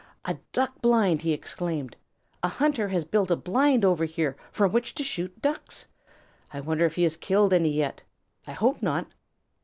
"A Duck blind!" he exclaimed. "A hunter has built a blind over here from which to shoot Ducks. I wonder if he has killed any yet. I hope not."